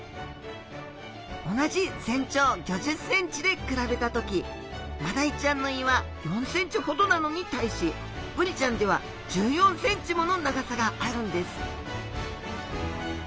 同じ全長５０センチで比べた時マダイちゃんの胃は４センチほどなのに対しブリちゃんでは１４センチもの長さがあるんです